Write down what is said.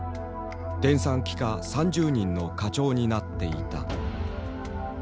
電算機課３０人の課長になっていた。